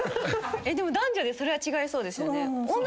でも男女でそれは違いそうですよね。